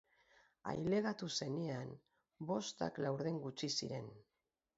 Ailegatu zenean bostak laurden gutxi ziren.